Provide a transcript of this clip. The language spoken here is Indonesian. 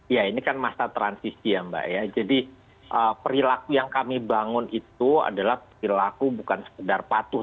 ya ini kan masa transisi ya mbak ya jadi perilaku yang kami bangun itu adalah perilaku bukan sekedar patuh